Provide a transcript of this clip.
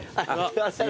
はい。